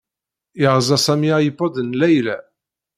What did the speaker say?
Yerẓa Sami iPod n Layla.